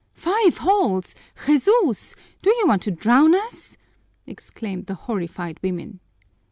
"Five holes! Jesús! Do you want to drown us?" exclaimed the horrified women.